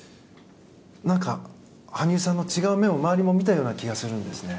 何か、羽生さんの違う面を周りも見た気がするんですね。